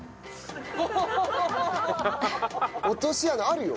落とし穴あるよ。